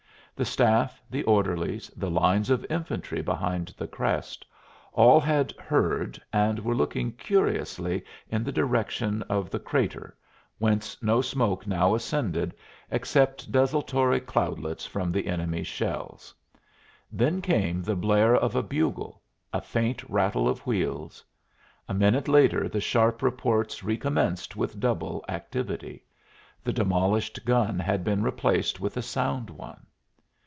The staff, the orderlies, the lines of infantry behind the crest all had "heard," and were looking curiously in the direction of the crater, whence no smoke now ascended except desultory cloudlets from the enemy's shells. Then came the blare of a bugle, a faint rattle of wheels; a minute later the sharp reports recommenced with double activity. The demolished gun had been replaced with a sound one.